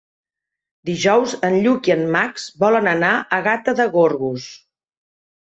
Dijous en Lluc i en Max volen anar a Gata de Gorgos.